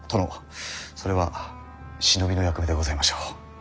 それは忍びの役目でございましょう。